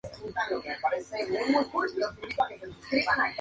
Ese año, fallecido López, su antiguo ministro Domingo Cullen lo reemplazó.